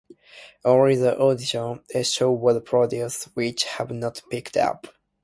Only the audition show was produced which was not picked up.